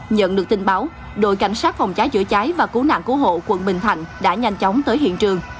nhận được tin báo đội cảnh sát phòng cháy chữa cháy và cứu nạn cứu hộ quận bình thạnh đã nhanh chóng tới hiện trường